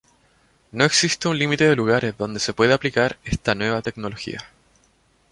No existe un límite de lugares donde se puede aplicar esta nueva tecnología.